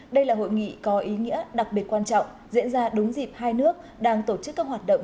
đây là hội nghị có ý nghĩa đặc biệt quan trọng diễn ra đúng dịp hai nước đang tổ chức các hoạt động